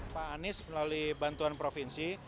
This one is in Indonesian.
pak anies melalui bantuan provinsi